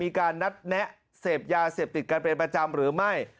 มีการนัดแนะเสพยาเสพติดกันเป็นประจำหรือไม่